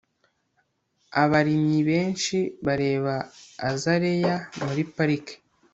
abarimyi benshi bareba azaleya muri parike